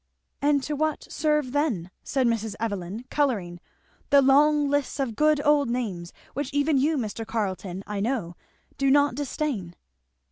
"And to what serve then," said Mrs. Evelyn colouring, "the long lists of good old names which even you, Mr. Carleton, I know, do not disdain?"